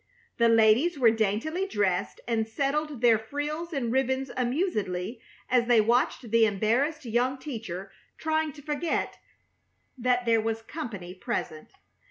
The ladies were daintily dressed, and settled their frills and ribbons amusedly as they watched the embarrassed young teacher trying to forget that there was company present.